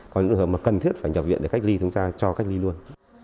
còn những trường hợp mà cần thiết phải nhập viện để cách ly chúng ta cho cách ly luôn